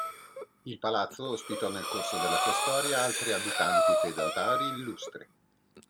Il palazzo ospitò nel corso della sua storia altri abitanti-feudatari illustri.